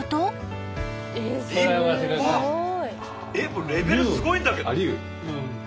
これレベルすごいんだけど！